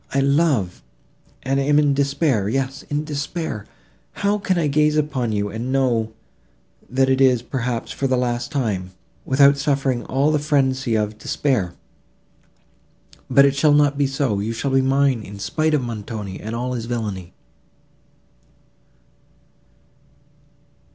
I love, and am in despair—yes—in despair. How can I gaze upon you, and know, that it is, perhaps, for the last time, without suffering all the frenzy of despair? But it shall not be so; you shall be mine, in spite of Montoni and all his villany."